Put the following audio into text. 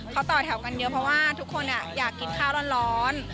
เขาต่อแถวกันเยอะเพราะว่าทุกคนอยากกินข้าวร้อน